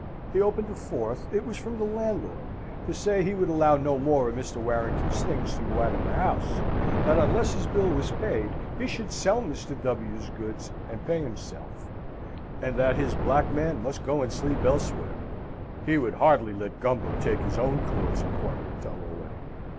He opened a fourth; it was from the landlord, to say that he would allow no more of Mr. Warrington's things to go out of the house, that unless his bill was paid he should sell Mr. W.'s goods and pay himself: and that his black man must go and sleep elsewhere. He would hardly let Gumbo take his own clothes and portmanteau away.